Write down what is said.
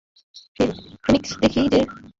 Phoenix দেখি যে!